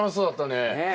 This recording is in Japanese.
ねえ。